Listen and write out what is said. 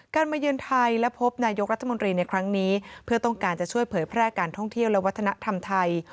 มาเยือนไทยและพบนายกรัฐมนตรีในครั้งนี้เพื่อต้องการจะช่วยเผยแพร่การท่องเที่ยวและวัฒนธรรมไทย